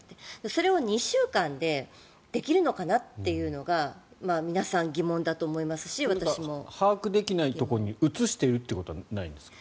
それを２週間でできるのかなっていうのが把握できないところに移しているということはないんですか？